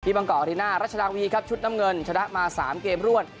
บางกอกริน่ารัชดาวีครับชุดน้ำเงินชนะมา๓เกมรวด